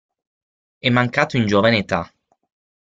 È mancato in giovane età.